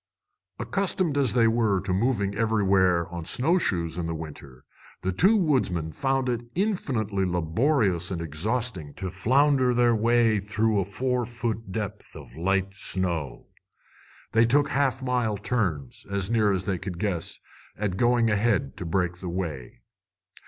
Accustomed as they were to moving everywhere on snowshoes in the winter, the two woodsmen found it infinitely laborious and exhausting to flounder their way through a four foot depth of light snow. They took half mile turns, as near as they could guess, at going ahead to break the way.